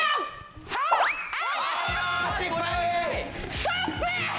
ストップ！